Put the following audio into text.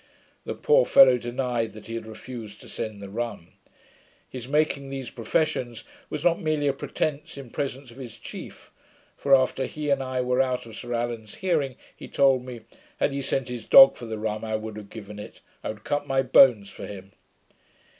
The poor fellow denied that he had refused to send the rum. His making these professions was not merely a pretence in presence of his chief; for after he and I were out of Sir Allan's hearing, he told me, 'Had he sent his dog for the rum, I would have given it: I would cut my bones for him.'